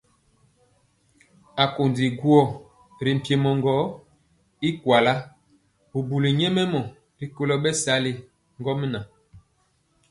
Akondi guo ri mpiemɔ gɔ y kuala bubuli nyɛmemɔ rikolo bɛsali ŋgomnaŋ.